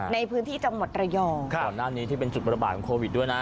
ในพื้นที่จังหวัดระยองก่อนหน้านี้ที่เป็นจุดประบาดของโควิดด้วยนะ